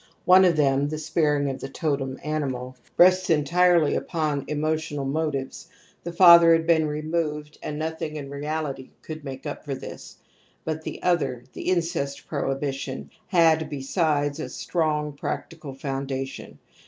One of them, the sparing of the totem animal, rests entirely upon emotional mo tives ; the father had been removed and no thing in reality could make up for this. But the other, the incest prohibition^ had, besides, a strong practical foundation.